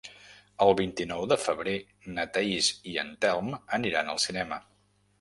El vint-i-nou de febrer na Thaís i en Telm aniran al cinema.